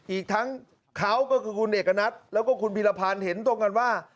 อีกทั้งเขาก็คือคุณเอกณัฐแล้วก็คุณพีรพันธ์เห็นตรงกันว่า